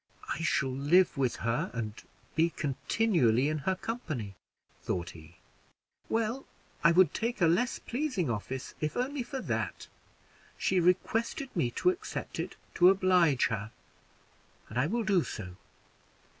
"I shall live with her, and be continually in her company," thought he. "Well, I would take a less pleasing office if only for that. She requested me to accept it to oblige her, and I will do so.